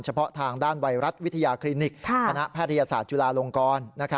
เพาะทางด้านไวรัสวิทยาคลินิกคณะแพทยศาสตร์จุฬาลงกร